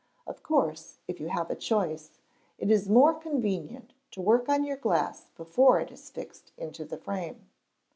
Of course, if you have a choice, it is more convenient to work on your glass before it is fixed in the frame.